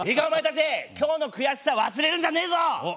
お前たち今日の悔しさ忘れるんじゃねえぞ。